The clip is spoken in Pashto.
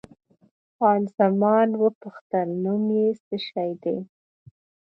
خان زمان وپوښتل، نوم یې څه شی دی؟